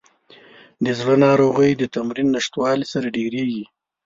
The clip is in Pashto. د زړه ناروغۍ د تمرین نشتوالي سره ډېریږي.